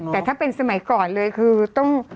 แต่ถ้าเป็นสมัยก่อนเลยคือต้อง